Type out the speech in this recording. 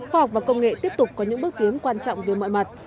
khoa học và công nghệ tiếp tục có những bước tiến quan trọng về mọi mặt